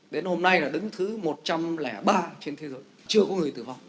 đến hôm nay là đứng thứ một trăm sáu mươi tám